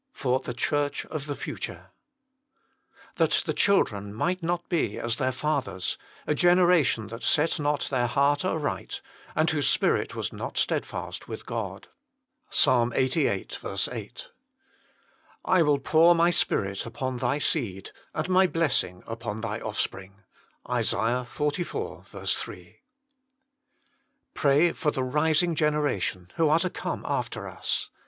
for the dljlirtlj of tlj* |FntK That the children might not be as their fathers, a genera tion that set not their heart aright, and whose spirit was not steadfast with God." Ps. Ixxviii. 8. " I will pour My Spirit upon thy seed, and My blessing upon thy offspring." ISA. xliv. 3. Pray for the rising generation, who are to come after us.